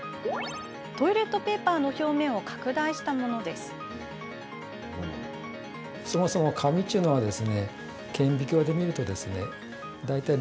トイレットペーパーの表面を拡大したものです。